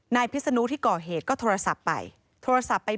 นายพิษนุที่ก่อเหตุก็โทรศัพท์ไป